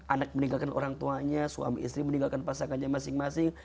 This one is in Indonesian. anak meninggalkan orang tuanya suami istri meninggalkan pasangannya masing masing